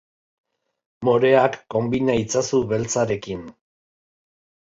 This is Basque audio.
Moreak konbina itzazu beltzarekin.